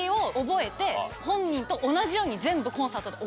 本人と同じように全部。